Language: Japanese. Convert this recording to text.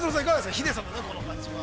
ヒデさんの感じは？